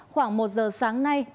khoảng một giờ sáng nay